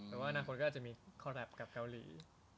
แต่ว่าอนาคตก็อาจจะมีคอแรปกับเกาหลี